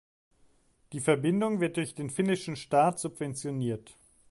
Die Verbindung wird durch den finnischen Staat subventioniert.